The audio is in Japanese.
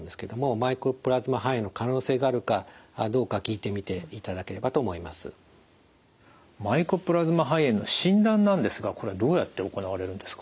マイコプラズマ肺炎の診断なんですがこれどうやって行われるんですか？